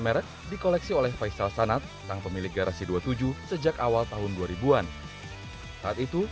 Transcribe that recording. merek di koleksi oleh faisal sanad sang pemilik garasi dua puluh tujuh sejak awal tahun dua ribu an saat itu